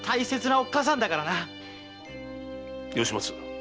吉松。